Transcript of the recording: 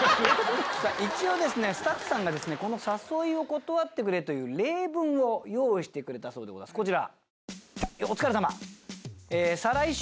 一応スタッフさんがこの「誘いを断ってくれ」という例文を用意してくれたそうでございますこちら。